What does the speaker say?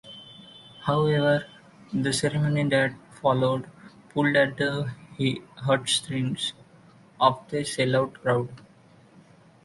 However, the ceremony that followed pulled at the heartstrings of the sellout crowd.